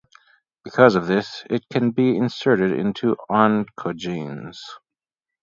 Because of this, it can be inserted into oncogenes.